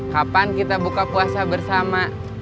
kapan kita buka puasa bersama